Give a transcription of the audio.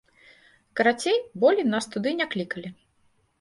Карацей, болей нас туды не клікалі.